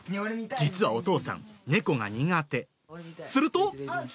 実はお父さん、猫が苦手。